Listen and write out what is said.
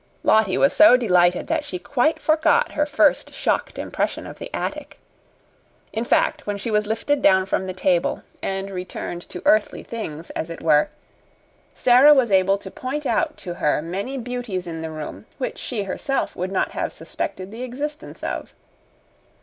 Lottie was so delighted that she quite forgot her first shocked impression of the attic. In fact, when she was lifted down from the table and returned to earthly things, as it were, Sara was able to point out to her many beauties in the room which she herself would not have suspected the existence of.